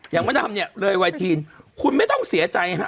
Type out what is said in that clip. อย่างมันทำเนี่ยเลยวัยทีนคุณไม่ต้องเสียใจนะฮะ